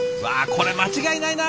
これ間違いないな。